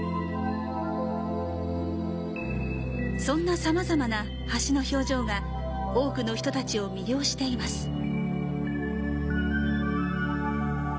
そんなさまざまな橋の表情が多くの人たちを魅了しています。